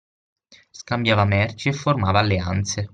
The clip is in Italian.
Scambiava merci e formava alleanze.